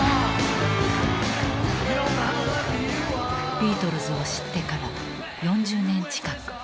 ビートルズを知ってから４０年近く。